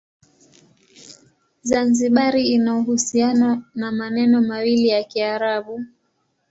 Zanzibar ina uhusiano na maneno mawili ya Kiarabu.